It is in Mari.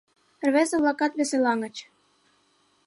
Рвезе-влакат веселаҥыч.